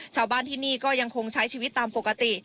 ชาวบ้านที่นี่ก็ยังคงใช้ชีวิตตามปกติ